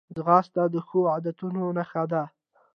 ځغاسته د ښو عادتونو نښه ده